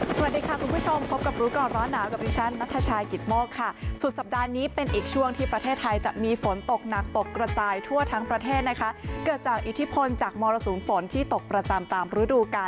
สวัสดีค่ะคุณผู้ชมพบกับรู้ก่อนร้อนหนาวกับดิฉันนัทชายกิตโมกค่ะสุดสัปดาห์นี้เป็นอีกช่วงที่ประเทศไทยจะมีฝนตกหนักตกกระจายทั่วทั้งประเทศนะคะเกิดจากอิทธิพลจากมรสุมฝนที่ตกประจำตามฤดูกาล